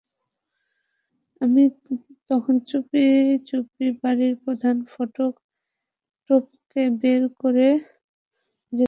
আমি তখন চুপিচুপি বাড়ির প্রধান ফটক টপকে বের হয়ে যেতাম বাইরে।